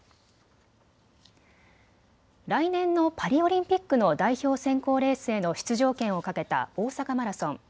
来年のパリオリンピックの代表選考レースへの出場権をかけた大阪マラソン。